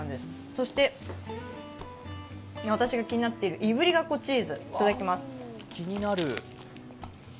そして私が気になっているいぶりがっこチーズ、いただきます。